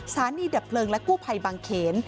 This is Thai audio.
สถานีดับเพลิงและกู้ภัยบางเขน